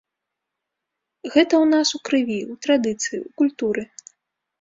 Гэта ў нас у крыві, у традыцыі, у культуры.